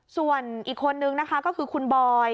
ส่วนอีกคนนึงนะคะก็คือคุณบอย